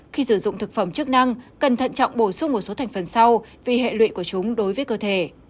khi sử dụng thực phẩm chức năng cần thận trọng bổ sung một số thành phần sau vì hệ lụy của chúng đối với cơ thể